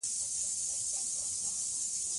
د ډیورند کرښې دواړو غاړو کې روسي پلوی ګوندونه فعال وو.